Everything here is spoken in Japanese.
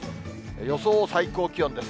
予想最高気温です。